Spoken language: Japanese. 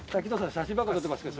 写真ばっかり撮ってますけど。